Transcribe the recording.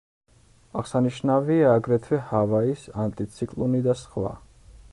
აღსანიშნავია აგრეთვე ჰავაის ანტიციკლონი და სხვა.